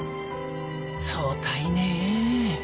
そうたいね。